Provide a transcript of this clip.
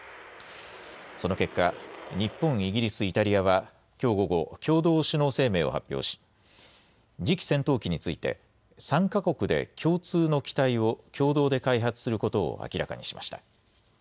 その結果、日本、イギリス、イタリアはきょう午後、共同首脳声明を発表し次期戦闘機について３か国で共通の機体を共同で開発することを明らかにしました。